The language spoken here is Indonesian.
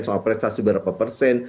soal prestasi berapa persen